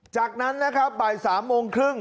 จากนั้นนะครับบ่าย๓โมงครึ่ง